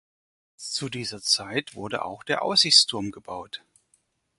Zu dieser Zeit wurde auch der Aussichtsturm gebaut.